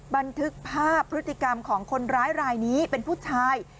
บันทึกภาพพฤติกรรมของคนร้ายรายนี้เป็นผู้ชาย